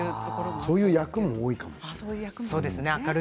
そういう役も多いかもしれない。